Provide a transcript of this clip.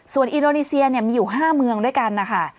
ส่วนอินโดนีเซียมีอยู่๕เมืองด้วยกันนะคะ